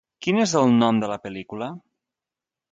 Quin és el nom de la pel·lícula?